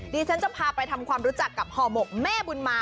ดิฉันจะพาไปทำความรู้จักกับห่อหมกแม่บุญมา